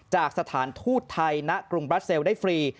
จากสถานทูตไทยณกรุงบราเซลได้ฟรี